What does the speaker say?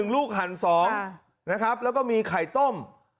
ลูกหั่น๒นะครับแล้วก็มีไข่ต้ม